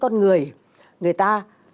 con người người ta